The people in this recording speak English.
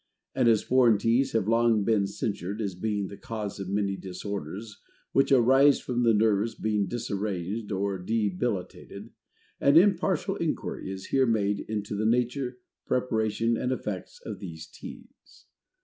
And as Foreign Teas have long been censured as being the cause of many disorders which arise from the nerves being disarranged or debilitated, an impartial enquiry is here made into the nature, preparation, and effects, of these Teas.